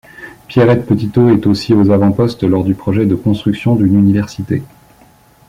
Pierrette Petitot est aussi aux avant-postes lors du projet de construction d'une université.